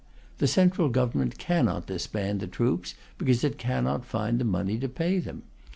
The Central Government cannot disband the troops, because it cannot find the money to pay them.